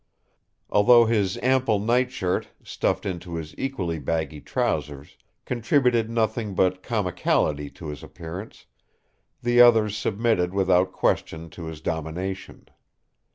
Although his ample night shirt, stuffed into his equally baggy trousers, contributed nothing but comicality to his appearance, the others submitted without question to his domination.